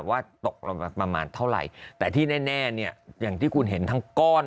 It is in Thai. ว่าตกลงประมาณเท่าไหร่แต่ที่แน่เนี่ยอย่างที่คุณเห็นทั้งก้อน